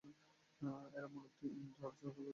এরা মূলত ইন্দো-আর্য জনগোষ্ঠীর অন্তর্ভুক্ত।